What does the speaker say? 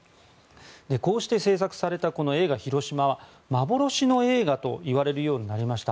こうして製作された映画「ひろしま」ですが幻の映画といわれるようになりました。